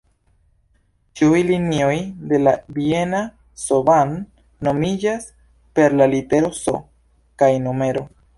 Ĉiuj linioj de la viena "S-Bahn" nomiĝas per la litero "S" kaj numero.